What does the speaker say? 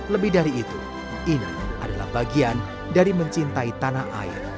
lebih dari itu ini adalah bagian dari mencintai tanah air